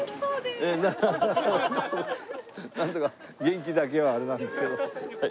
なんとか元気だけはあれなんですけど。